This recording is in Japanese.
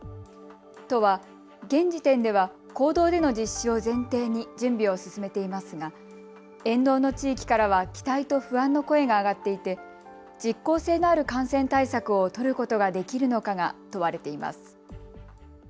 都は、現時点では公道での実施を前提に準備を進めていますが沿道の地域からは期待と不安の声が上がっていて実効性のある感染対策を取ることができるのかが問われています。